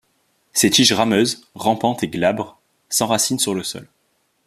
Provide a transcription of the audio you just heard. Ses tiges rameuses, rampantes et glabres, s'enracinent sur le sol.